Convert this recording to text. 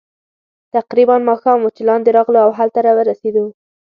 تقریباً ماښام وو چې لاندې راغلو، او هلته ورسېدو.